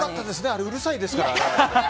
あれ、うるさいですから。